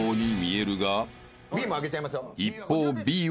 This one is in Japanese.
［一方Ｂは］